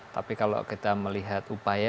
tapi kalau kita melihat upaya